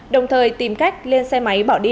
đồng thời tìm cách lên xe máy bỏ đi